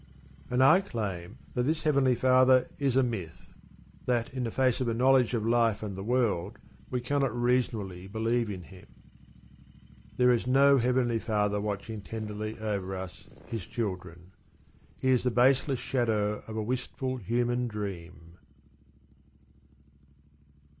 And I claim that this Heavenly Father is a myth: that in face of a knowledge of life and the world we cannot reasonably believe in Him. There is no Heavenly Father watching tenderly over us, His children. He is the baseless shadow of a wistful human dream.